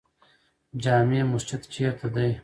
جامع مسجد چیرته دی؟